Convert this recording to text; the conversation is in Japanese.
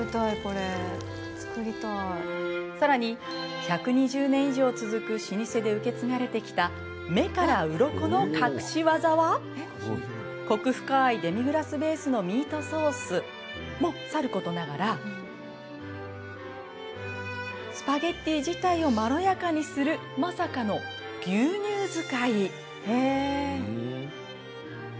さらに１２０年以上続く老舗で受け継がれてきた目からうろこの隠し技はコク深いデミグラスベースのミートソースもさることながらスパゲッティ自体をまろやかにするまさかの牛乳使い。